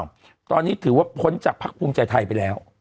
ตอนนี้ถือว่าพ้นจากภักดิ์ภูมิใจไทยไปแล้ว